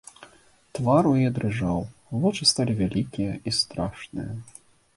Твар у яе дрыжаў, вочы сталі вялікія і страшныя.